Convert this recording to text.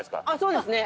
そうですね。